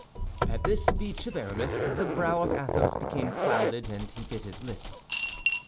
At this speech of Aramis, the brow of Athos became clouded and he bit his lips.